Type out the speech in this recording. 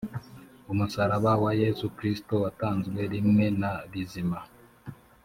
umusaraba wa yesu kristo watanzwe rimwe na rizima